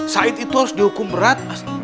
said itu harus dihukum berat